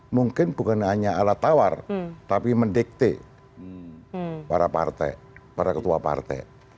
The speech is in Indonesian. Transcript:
mungkin bukan hanya alat tawar tapi mendikte para partai para ketua partai